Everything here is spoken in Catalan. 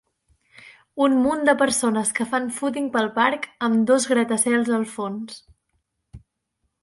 Un munt de persones que fan fúting pel parc amb dos gratacels al fons